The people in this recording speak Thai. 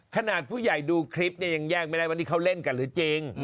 ขนาดผู้ใหญ่ดูคลิปเนี่ยยังแยกไม่ได้ว่านี่เขาเล่นกันหรือจริง